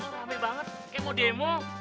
rame banget kayak mau demo